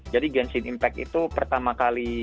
jadi genshin impact itu pertama kali